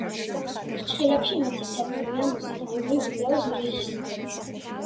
ფრჩხილებში მითითებულია მუსიკალური ვიდეოს რეჟისორი.